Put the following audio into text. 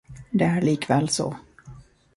Det är likväl så.